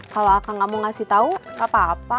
kalau akan nggak mau ngasih tahu nggak apa apa